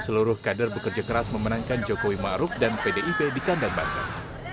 seluruh kader bekerja keras memenangkan jokowi maruf dan pdip di kandang banteng